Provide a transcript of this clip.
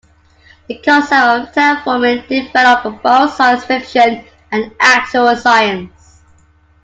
The concept of terraforming developed from both science fiction and actual science.